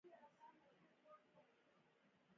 د انګلیسي ژبې زده کړه مهمه ده ځکه چې روبوټکس رسوي.